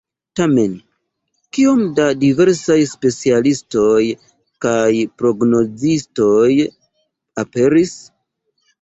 Tamen, kiom da diversaj specialistoj kaj prognozistoj aperis!